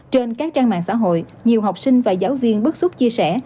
trên các trang mạng xã hội nhiều học sinh và giáo viên bức xúc chia sẻ